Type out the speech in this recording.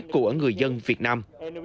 của người dân việt nam